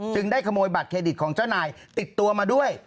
ได้ขโมยบัตรเครดิตของเจ้านายติดตัวมาด้วย